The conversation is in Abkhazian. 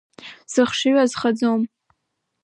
Сыхшыҩ азхаӡом…